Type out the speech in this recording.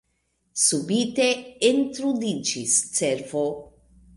Subite entrudiĝis cervo.